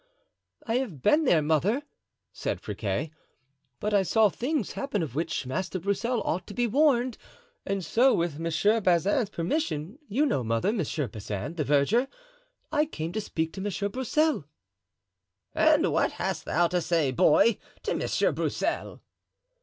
"I have been there, mother," said Friquet, "but I saw things happen of which Master Broussel ought to be warned, and so with Monsieur Bazin's permission—you know, mother, Monsieur Bazin, the verger—I came to speak to Monsieur Broussel." "And what hast thou to say, boy, to Monsieur Broussel?"